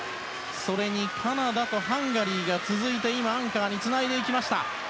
それにカナダとハンガリーが続いてアンカーにつないでいきました。